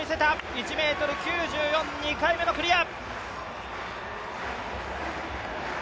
１ｍ９４ｃｍ２回目のクリア。